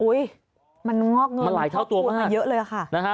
อุ๊ยมันงอกเงินเผาคุณมาเยอะเลยค่ะ